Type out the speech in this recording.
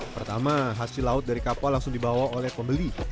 pertama hasil laut dari kapal langsung dibawa oleh pembeli